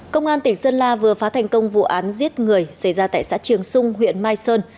công an tỉnh sơn la vừa phá thành công vụ án giết người xảy ra tại xã trường sung huyện mai sơn